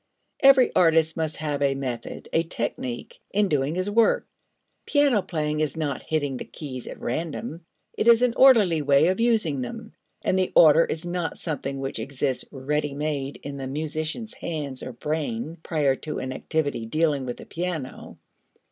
Every artist must have a method, a technique, in doing his work. Piano playing is not hitting the keys at random. It is an orderly way of using them, and the order is not something which exists ready made in the musician's hands or brain prior to an activity dealing with the piano.